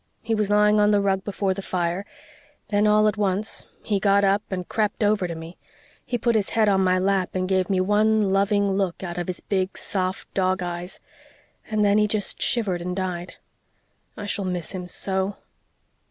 He was lying on the rug before the fire; then, all at once, he got up and crept over to me; he put his head on my lap and gave me one loving look out of his big, soft, dog eyes and then he just shivered and died. I shall miss him so."